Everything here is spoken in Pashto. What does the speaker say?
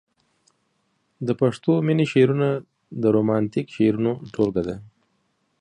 د پښتو مينې شعرونه د رومانتيک شعرونو ټولګه ده.